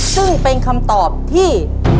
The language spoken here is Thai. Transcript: ซึ่งเป็นคำตอบที่